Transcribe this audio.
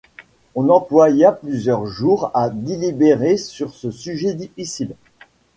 On employa plusieurs jours à délibérer sur ce sujet difficile.